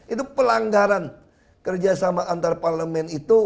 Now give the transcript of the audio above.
itu pelanggaran kerjasama antar parlemen itu